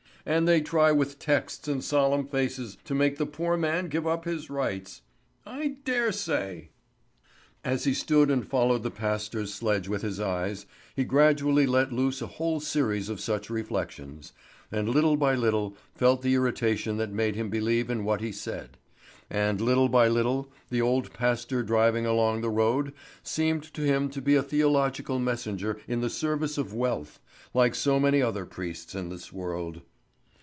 "And they try with texts and solemn faces to make the poor man give up his rights. I dare say!" As he stood and followed the pastor's sledge with his eyes, he gradually let loose a whole series of such reflections, and little by little felt the irritation that made him believe in what he said; and little by little the old pastor driving along the road seemed to him to be a theological messenger in the service of wealth, like so many other priests in this world.